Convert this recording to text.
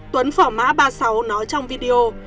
tuấn phỏ má ba mươi sáu nói trong video